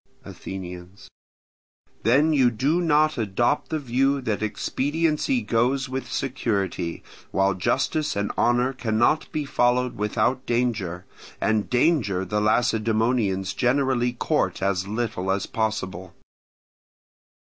Athenians. Then you do not adopt the view that expediency goes with security, while justice and honour cannot be followed without danger; and danger the Lacedaemonians generally court as little as possible.